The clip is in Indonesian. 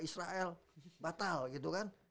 israel batal gitu kan